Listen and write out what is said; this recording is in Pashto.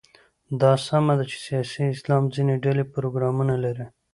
دا سمه ده چې سیاسي اسلام ځینې ډلې پروګرامونه لري.